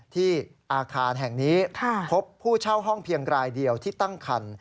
ที่อาคารแห่งนี้พบผู้เช่าห้องเพียงรายเดียวที่ตั้งคัน